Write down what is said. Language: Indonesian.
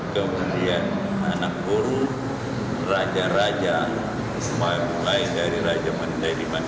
kemudian anak guru raja raja mulai dari raja mandailing